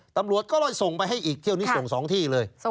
ตำรวจก็เลยส่งไปให้อีกเที่ยวนี้ส่ง๒ที่เลย